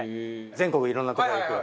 全国いろんなとこに行くよね。